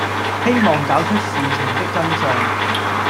希望找出事情的真相